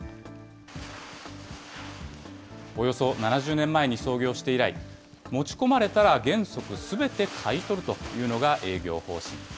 およそ７０年前に創業して以来、持ち込まれたら原則、すべて買い取るというのが営業方針。